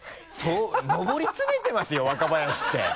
のぼり詰めてますよ若林って。